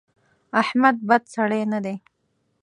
احمد بد سړی نه دی.